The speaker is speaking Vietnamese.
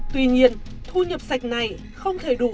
tuy nhiên thu nhập sạch này không thể đủ